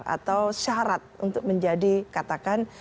atau syarat untuk menjadi katakan